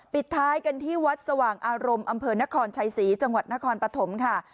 ปิดท้ายกันที่วัดสว่างอารมณ์อำเภอนครชัยศรีจังหวัดนครปฐมค่ะ